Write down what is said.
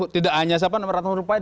tidak hanya siapa namanya raka nurul pahit